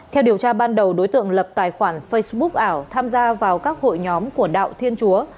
theo điều tra ban đầu đối tượng lập tài khoản facebook ảo tham gia vào các hội nhóm của đạo thiên chúa